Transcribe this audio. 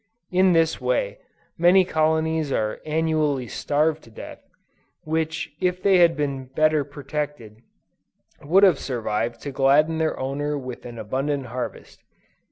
In this way, many colonies are annually starved to death, which if they had been better protected, would have survived to gladden their owner with an abundant harvest.